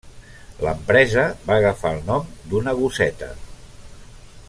L'empresa va agafar el nom d'una gosseta.